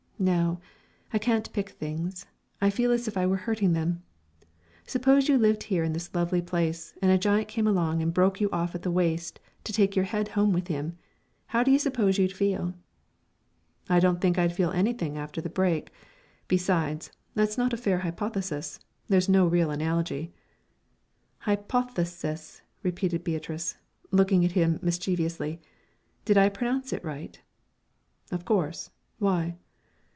"No, I can't pick things. I feel as if I were hurting them. Suppose you lived here in this lovely place and a giant came along and broke you off at the waist to take your head home with him how do you suppose you'd feel?" "I don't think I'd feel anything after the break. Besides, that's not a fair hypothesis. There is no real analogy." "Hy poth e sis," repeated Beatrice, looking at him, mischievously; "did I pronounce it right?" "Of course why?"